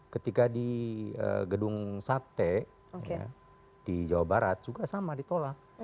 ketika di gedung sate di jawa barat juga sama ditolak